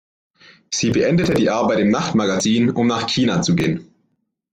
Sie beendete die Arbeit im Nachtmagazin, um nach China zu gehen.